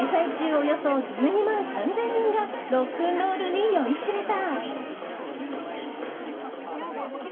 およそ１２万３０００人がロックンロールに酔いしれた。